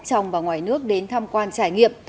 trong và ngoài nước đến thăm quan trải nghiệm